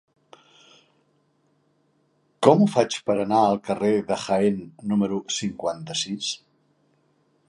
Com ho faig per anar al carrer de Jaén número cinquanta-sis?